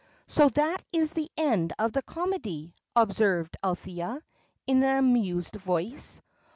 "So that is the end of the comedy," observed Althea, in an amused voice.